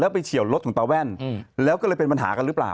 ไปเฉียวรถของตาแว่นแล้วก็เลยเป็นปัญหากันหรือเปล่า